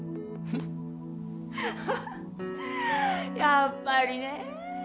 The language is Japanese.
ハハハやっぱりねぇ。